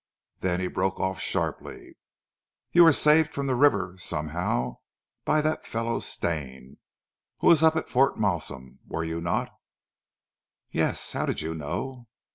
Then he broke off sharply. "You were saved from the river, somehow, by that fellow Stane, who was up at Fort Malsun, were you not?" "Yes! How did you know?"